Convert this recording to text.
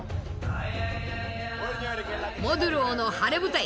モドゥローの晴れ舞台